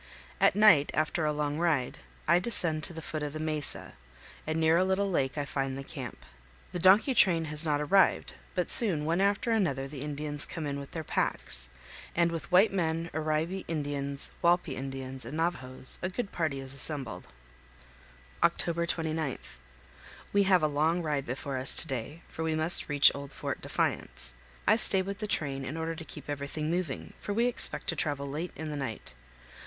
At night, after a long ride, I descend to the foot of the mesa, and near a little lake I find the camp. The donkey train has not arrived, but soon one after another the Indians come in with their packs, and with white men, Oraibi Indians, Walpi Indians, and Navajos, a good party is assembled. October 29. We have a long ride before us to day, for we must reach old Fort Defiance. I stay with the train in order to keep everything moving, for we expect to travel late in the night.